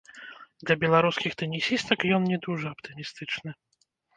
Для беларускіх тэнісістак ён не дужа аптымістычны.